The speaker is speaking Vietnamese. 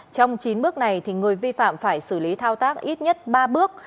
trong chín bước này người vi phạm phải xử lý thao tác ít nhất ba bước